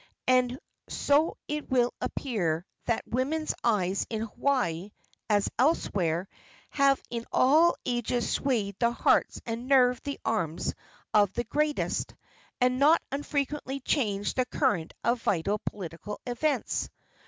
And so it will appear that women's eyes in Hawaii, as elsewhere, have in all ages swayed the hearts and nerved the arms of the greatest, and not unfrequently changed the current of vital political events.